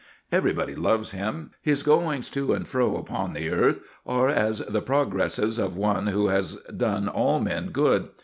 Everybody loves him; his goings to and fro upon the earth are as the progresses of one who has done all men good.